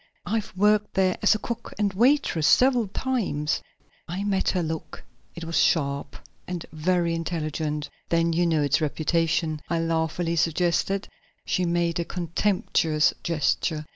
I've worked there as cook and waitress several times." I met her look; it was sharp and very intelligent. "Then you know its reputation," I laughingly suggested. She made a contemptuous gesture.